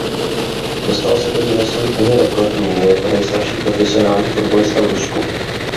Dostal se i do Guinnessovy knihy rekordů jako nejstarší profesionální fotbalista v Rusku.